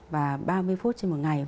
và ba mươi phút trên một ngày